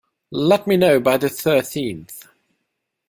Let me know by the thirteenth.